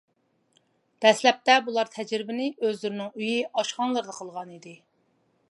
دەسلەپتە بۇلار تەجرىبىنى ئۆزلىرىنىڭ ئۆيى، ئاشخانىلىرىدا قىلغان ئىدى.